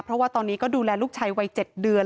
เพราะว่าตอนนี้ก็ดูแลลูกชายวัย๗เดือน